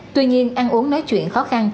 tuy nhiên ăn uống nói chuyện khó khăn